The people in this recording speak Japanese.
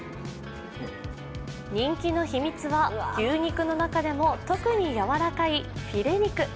人気の秘密は牛肉の中でも特に柔らかいフィレ肉。